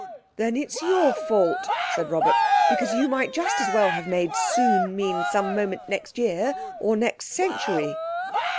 "Then it's your fault," said Robert, "because you might just as well have made 'soon' mean some moment next year or next century."